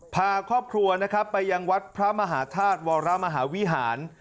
พาครอบครัวนะครับไปยังวัดพระมหาธาตุวรมหาวิหาร